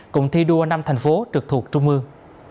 cụng thi đua năm thành phố trực thuộc trung ương